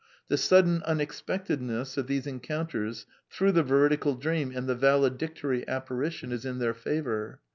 The sudden unexpectedness of these en counters through the veridical dream and the valedictory apparition is in their favour.